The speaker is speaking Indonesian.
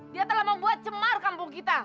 dia telah membuat cemar kampung kita